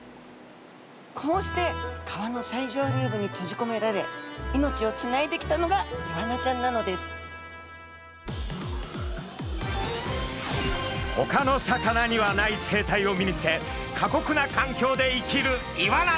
こうして川の最上流部に閉じこめられ命をつないできたのがイワナちゃんなのですほかの魚にはない生態を身につけ過酷な環境で生きるイワナ。